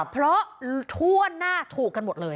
เพราะทั่วหน้าถูกกันหมดเลย